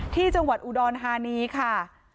ที่จังหวัดอุดรธานีค่ะ